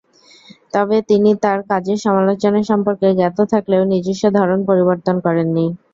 তবে তিনি তাঁর কাজের সমালোচনা সম্পর্কে জ্ঞাত থাকলেও নিজস্ব ধরন পরিবর্তন করেননি।